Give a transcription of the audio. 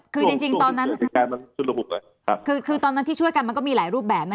คือในจริงคือตอนนั้นที่ช่วยกันมันก็มีหลายรูปแบบนะคะ